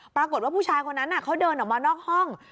ปรากฏว่าผู้ชายคนนั้นเขาเดินออกมานอกห้อง